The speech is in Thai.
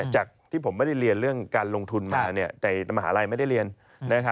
จากที่ผมไม่ได้เรียนเรื่องการลงทุนมาแต่มหาลัยไม่ได้เรียน